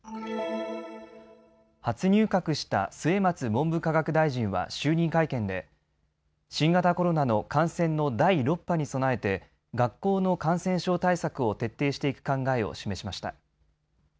初入閣した末松文部科学大臣は就任会見で新型コロナの感染の第６波に備えて学校の感染症対策を徹底していく考えを示しました。